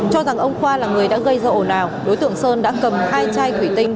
cho rằng ông khoa là người đã gây ra ồn ào đối tượng sơn đã cầm hai chai thủy tinh